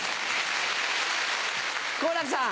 好楽さん。